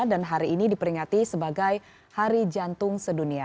dan hari ini diperingati sebagai hari jantung sedunia